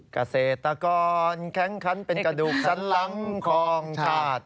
เกษตรกรแข็งคันเป็นกระดูกชั้นหลังของชาติ